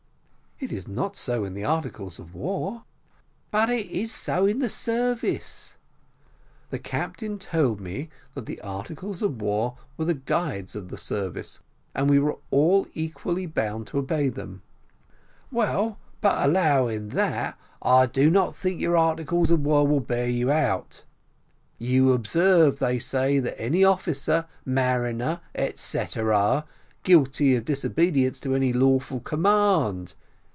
"It is not so in the articles of war." "But it is so in the service." "The captain told me that the articles of war were the guides of the service, and we were all equally bound to obey them." "Well, but allowing that, I do not think your articles of war will bear you out. You observe, they say any officer, mariner, etcetera, guilty of disobedience to any lawful command.